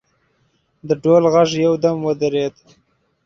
د ډول غږ یو دم ودرېد.